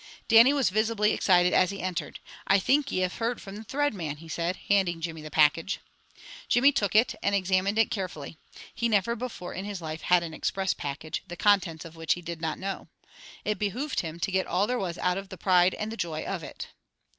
Dannie was visibly excited as he entered. "I think ye have heard from the Thread Mon," he said, handing Jimmy the package. Jimmy took it, and examined it carefully. He never before in his life had an express package, the contents of which he did not know. It behooved him to get all there was out of the pride and the joy of it.